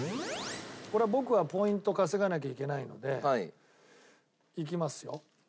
これ僕はポイント稼がなきゃいけないのでいきますよ。